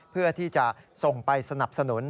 เพื่อที่จะส่งไปสนับสนุน